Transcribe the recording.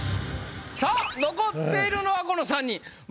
さあ残っているのはこの３人。